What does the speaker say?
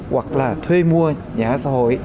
hoặc là thuê mua nhà ở xã hội